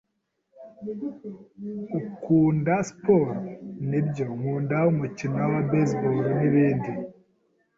"Ukunda siporo?" "Nibyo, nkunda umukino wa baseball, n'ibindi."